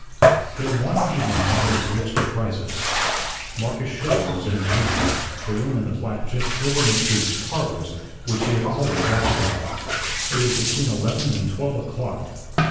Then one evening matters reached a crisis. Marcus Schouler was in his room, the room in the flat just over McTeague's "Parlors" which he had always occupied. It was between eleven and twelve o'clock.